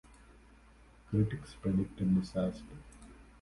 Critics predicted disaster.